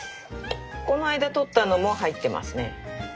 この間採ったのも入ってますね。